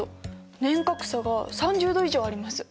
年較差が３０度以上あります。